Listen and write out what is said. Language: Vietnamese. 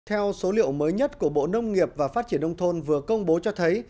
theo số liệu mới nhất của bộ nông nghiệp và phát triển nông thôn vừa công bố cho thấy